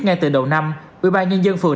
ngay từ đầu năm ủy ban nhân dân phường